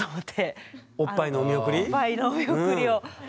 おっぱいのお見送りを。